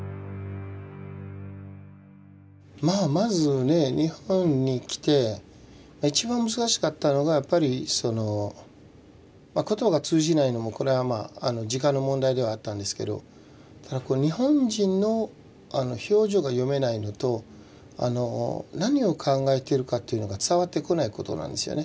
まあまずね日本に来て一番難しかったのがやっぱりその言葉が通じないのもこれはまあ時間の問題ではあったんですけど日本人の表情が読めないのと何を考えてるかっていうのが伝わってこないことなんですよね。